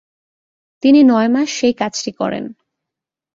তিনি নয় মাস সেই কাজটি করেন।